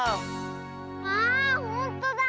あほんとだ！